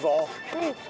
うん。